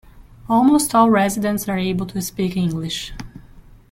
Almost all residents are able to speak English.